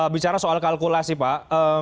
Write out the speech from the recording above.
bicara soal kalkulasi pak